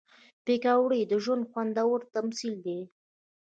پکورې د ژوند یو خوندور تمثیل دی